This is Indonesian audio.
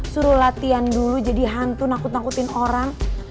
suruh latihan dulu jadi hantu nakut nakutin orang